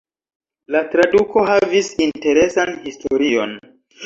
La traduko havis interesan historion.